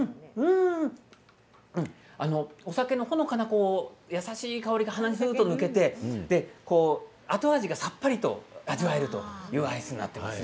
お酒のほのかな優しい香りが鼻に抜けて後味がさっぱりと味わえるというアイスです。